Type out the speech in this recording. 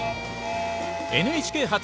「ＮＨＫ発！